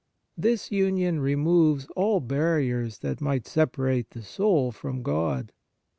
This union removes all barriers that might separate the soul from God.